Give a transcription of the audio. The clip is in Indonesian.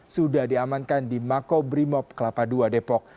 sudah diamankan di makobrimob kelapa ii depok